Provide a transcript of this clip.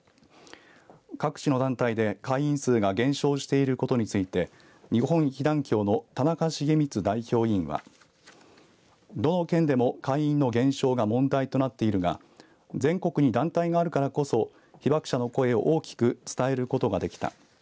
各地の団体で会員数が減少していることについて日本被団協の田中重光代表委員はどの県でも会員の減少が問題となっているが全国に団体があるからこそ被爆者の声を大きく伝えることができた。